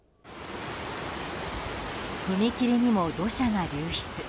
踏切にも土砂が流出。